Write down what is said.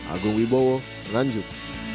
agung wibowo nganjuk